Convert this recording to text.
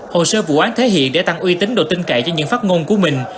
hồ sơ vụ án thể hiện để tăng uy tính đồ tin cậy cho những phát ngôn của mình